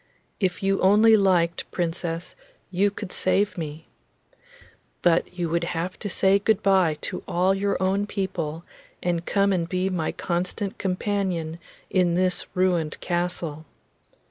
If you only liked, Princess, you could save me. But you would have to say good bye to all your own people and come and be my constant companion in this ruined castle.